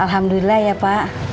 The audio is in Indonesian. alhamdulillah ya pak